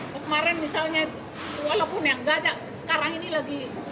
kemarin misalnya walaupun yang gajak sekarang ini lagi